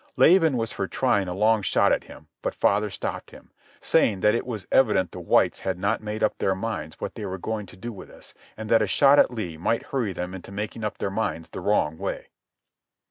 Laban was for trying a long shot at him, but father stopped him, saying that it was evident the whites had not made up their minds what they were going to do with us, and that a shot at Lee might hurry them into making up their minds the wrong way.